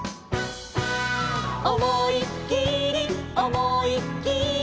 「おもいっきりおもいっきり」